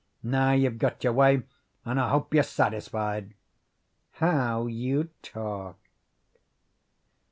Now you've got your way, and I hope you're satisfied." "How you talk."